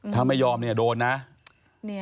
ถ้าไม่ยอมเนี่ยโดนนะ